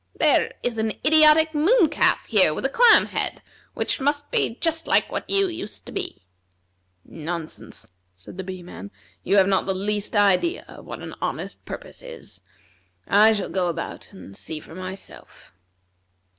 "There is an idiotic moon calf here with a clam head, which must be just like what you used to be." "Nonsense," said the Bee man. "You have not the least idea what an honest purpose is. I shall go about, and see for myself."